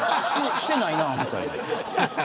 してないなあ、みたいな。